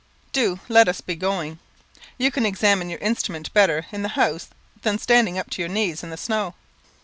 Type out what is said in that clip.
"Do let us be going. You can examine your instrument better in the house than standing up to your knees in the snow."